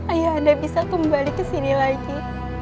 ayahanda bisa kembali kesini lagi